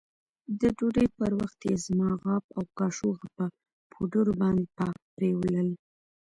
د ډوډۍ پر وخت يې زما غاب او کاشوغه په پوډرو باندې پاک پرېولل.